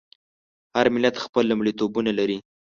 هر ملت خپل لومړیتوبونه لري.